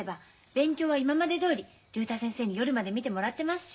勉強は今までどおり竜太先生に夜まで見てもらってますし。